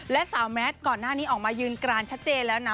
และสาวแมทก่อนหน้านี้ออกมายืนกรานชัดเจนแล้วนะ